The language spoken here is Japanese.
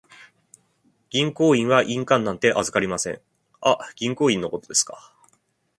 銀行員は印鑑なんて預かりません。あ、銀行印のことですか。